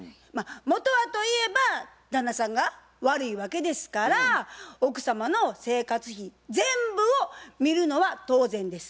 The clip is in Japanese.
もとはといえば旦那さんが悪いわけですから奥様の生活費全部を見るのは当然です。